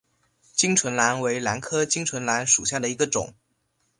巾唇兰为兰科巾唇兰属下的一个种。